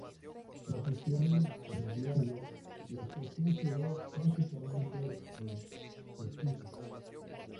Tras su cierre ferroviario, la estación quedó prácticamente en desuso.